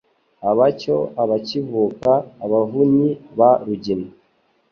Abacyo abacyivuka Abavunyi ba Rugina.